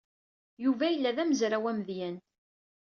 Yuba yella d amezraw amedyan.